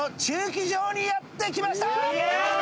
イェーイ！